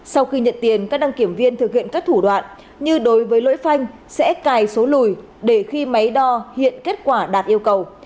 sau khi nhận tiền các đăng kiểm viên thực hiện các thủ đoạn như đối với lỗi phanh sẽ cài số lùi để khi máy đo hiện kết quả đạt yêu cầu